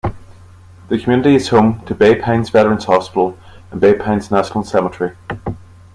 The community is home to Bay Pines Veterans Hospital and Bay Pines National Cemetery.